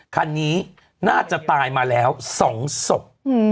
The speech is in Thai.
คันนี้น่าจะตายมาแล้ว๒ศพ